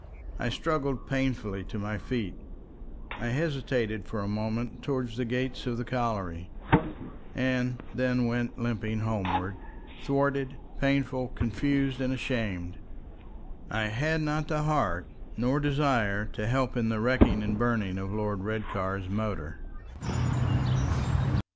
I struggled painfully to my feet. I hesitated for a moment towards the gates of the colliery, and then went limping homeward, thwarted, painful, confused, and ashamed. I had not the heart nor desire to help in the wrecking and burning of Lord Redcar's motor.